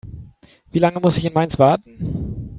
Wie lange muss ich in Mainz warten?